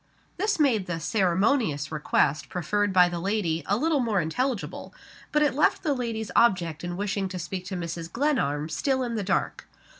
This made the ceremonious request preferred by the lady a little more intelligible but it left the lady's object in wishing to speak to Mrs. Glenarm still in the dark.